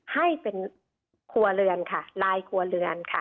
ให้เป็นครัวเรือนค่ะลายครัวเรือนค่ะ